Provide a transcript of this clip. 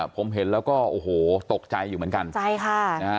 ผมเห็นแล้วก็โอ้โหตกใจอยู่เหมือนกันใช่ค่ะนะฮะ